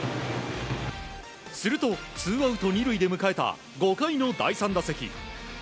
すると、ツーアウト２塁で迎えた５回の第３打席。